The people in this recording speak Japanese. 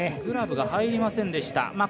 グラブが入りませんでした。